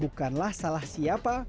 bukanlah salah siapa